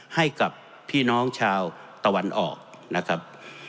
ให้กับพี่น้องชาวตะวันออกนะครับ